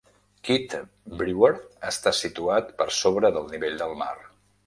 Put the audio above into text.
Kidd Brewer està situat per sobre del nivell del mar.